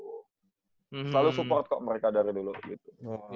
selalu support kok mereka dari dulu gitu